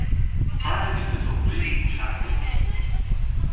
Prag yth esov vy y'n chapel?